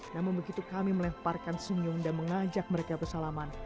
namun begitu kami melemparkan senyum dan mengajak mereka bersalaman